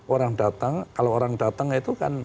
orang datang kalau orang datang itu kan